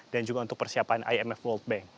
dan juga untuk persiapan imf world bank